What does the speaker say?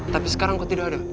tapi sekarang kok tidak ada